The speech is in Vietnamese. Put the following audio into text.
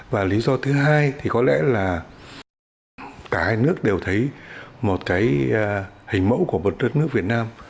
và lý do thứ hai thì có lẽ là cả hai nước đều thấy một cái hình mẫu của một đất nước việt nam